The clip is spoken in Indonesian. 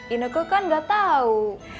ineke kan gak tau